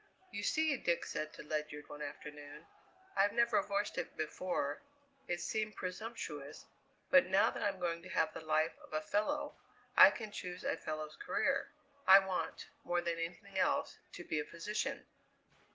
"You see," Dick said to Ledyard one afternoon, "I've never voiced it before it seemed presumptuous but now that I'm going to have the life of a fellow, I can choose a fellow's career. I want, more than anything else, to be a physician."